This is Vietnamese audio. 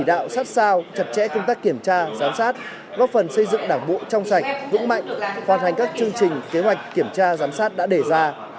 báo cáo công tác kiểm tra giám sát góp phần xây dựng đảng bộ trong sạch vững mạnh hoàn hành các chương trình kế hoạch kiểm tra giám sát đã đề ra